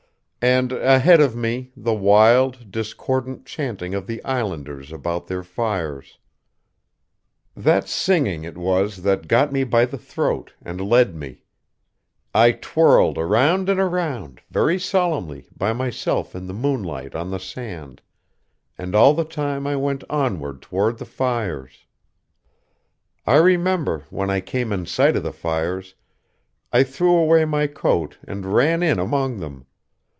And ahead of me, the wild, discordant chanting of the Islanders about their fires.... That singing it was that got me by the throat, and led me. I twirled around and around, very solemnly, by myself in the moonlight on the sand; and all the time I went onward toward the fires.... "I remember, when I came in sight of the fires, I threw away my coat and ran in among them.